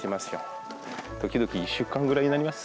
時々１週間くらいになります。